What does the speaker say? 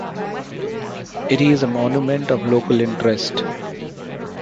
It is a monument of local interest.